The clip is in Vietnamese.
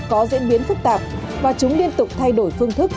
có diễn biến phức tạp và chúng liên tục thay đổi phương thức